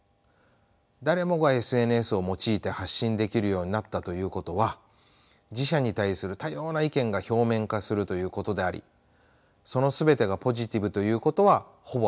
誰もがＳＮＳを用いて発信できるようになったということは自社に対する多様な意見が表面化するということでありその全てがポジティブということはほぼありえません。